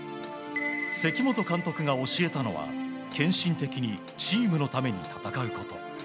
関本監督が教えたのは、献身的にチームのために戦うこと。